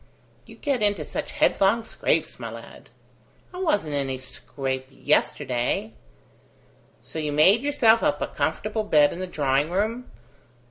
"You get into such headlong scrapes, my lad." "I wasn't in any scrape yesterday." "So you made yourself up a comfortable bed in the drawing room?